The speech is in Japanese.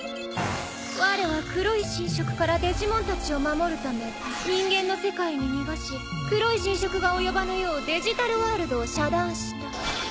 われは黒い侵食からデジモンたちを守るため人間の世界に逃がし黒い侵食が及ばぬようデジタルワールドを遮断した。